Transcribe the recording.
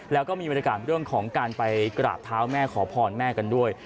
แล้วก็มีบรรยากาศเรื่องของการไปกราบเท้าแม่ขอพรแม่กันด้วย